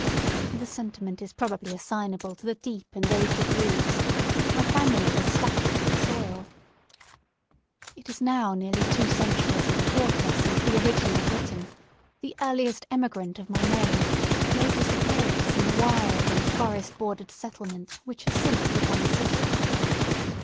The sentiment is probably assignable to the deep and aged roots which my family has stuck into the soil. It is now nearly two centuries and a quarter since the original Briton, the earliest emigrant of my name, made his appearance in the wild and forest bordered settlement which has since become a city.